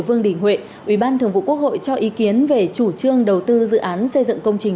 vương đình huệ ủy ban thường vụ quốc hội cho ý kiến về chủ trương đầu tư dự án xây dựng công trình